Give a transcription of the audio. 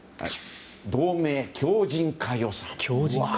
同盟強靭化予算。